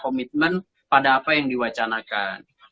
komitmen pada apa yang diwacanakan